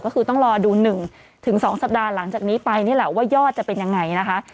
ก็คือต้องรอดู๑๒สัปดาห์หลังจากนี้ไปนี่แหละว่ายอดจะเป็นยังไงนะคะ